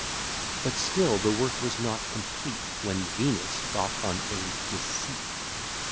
But still the work was not complete; When Venus thought on a deceit.